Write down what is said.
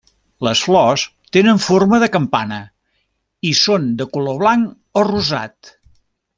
Les flors tenen forma de campana i són de color blanc o rosat.